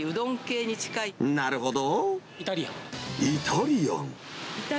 なるほど。